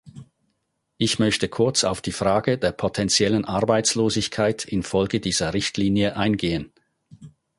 Ich möchte kurz auf die Frage der potentiellen Arbeitslosigkeit infolge dieser Richtlinie eingehen.